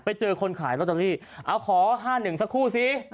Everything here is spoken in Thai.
ไปเจอคนขายลอตเตอรี่เอาขอ๕๑สักครู่ซิ